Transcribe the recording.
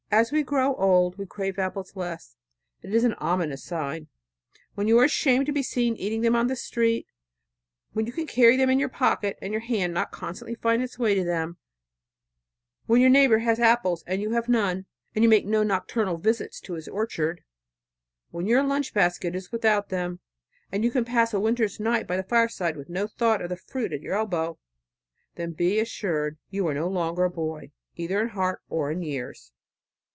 As we grow old we crave apples less. It is an ominous sign. When you are ashamed to be seen eating them on the street; when you can carry them in your pocket and your hand not constantly find its way to them; when your neighbor has apples and you have none, and you make no nocturnal visits to his orchard; when your lunch basket is without them, and you can pass a winter's night by the fireside with no thought of the fruit at your elbow, then be assured you are no longer a boy, either in heart or years.